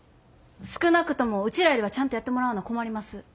少なくともウチらよりはちゃんとやってもらわな困ります。